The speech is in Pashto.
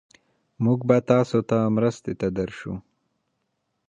مونږ به ستاسو مرستې ته درشو.